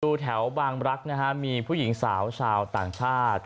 ดูแถวบางรักนะฮะมีผู้หญิงสาวชาวต่างชาติ